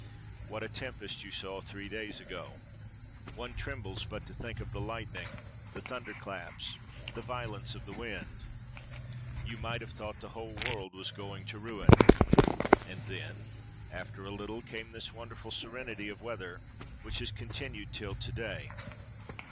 —What a tempest you saw three days ago! One trembles but to think of the lightning, the thunderclaps, the violence of the wind! You might have thought the whole world was going to ruin. And then, after a little, came this wonderful serenity of weather, which has continued till to day.